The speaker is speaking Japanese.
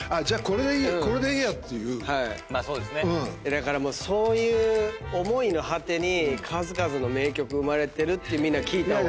だからそういう思いの果てに数々の名曲生まれてるってみんな聴いた方がいいですね。